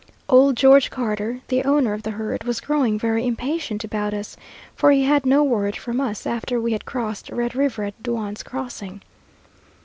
Old George Carter, the owner of the herd, was growing very impatient about us, for he had had no word from us after we had crossed Red River at Doan's crossing.